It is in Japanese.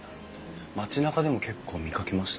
町なかでも結構見かけました。